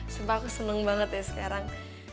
sebab aku seneng banget ya sekarang